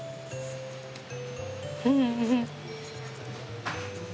フフフ！